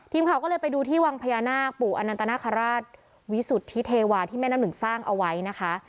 ทีมข่าวก็เลยไปดูที่วังพญานาคปู่อนันตนาคาราชวิสุทธิเทวาที่แม่น้ำหนึ่งสร้างเอาไว้นะคะ